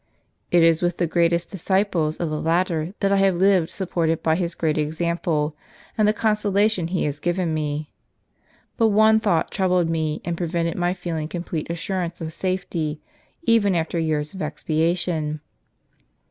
" It is with the greatest disciple of the latter that I have lived, supported by his great example, and the consolation he has given me. But one thought troubled me, and prevented my feeling complete assurance of safety even after years of expiation.